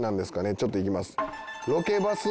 ちょっといきます。